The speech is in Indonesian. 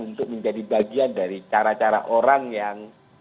untuk menjadi bagian dari cara cara orang yang